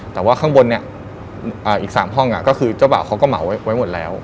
แต่ว่าข้างบนเนี่ยอีก๓ห้องก็คือเจ้าบ่าวเขาก็เหมาไว้หมดแล้ว